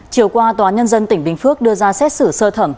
chiều qua tòa nhân dân tỉnh bình phước đưa ra xét xử sơ thẩm